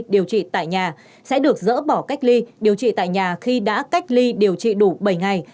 điều trị tại nhà sẽ được dỡ bỏ cách ly điều trị tại nhà khi đã cách ly điều trị đủ bảy ngày